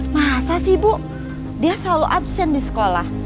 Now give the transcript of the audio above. masa sih bu dia selalu absen di sekolah